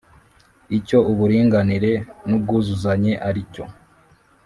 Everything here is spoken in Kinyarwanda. icyo uburinganire n’ubwuzuzanye ari cyo.